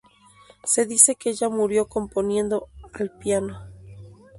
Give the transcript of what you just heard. Se dice que ella murió componiendo al piano.